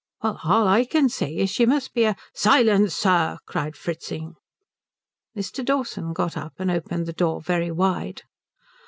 "Well, all I can say is she must be a " "Silence, sir!" cried Fritzing. Mr. Dawson got up and opened the door very wide.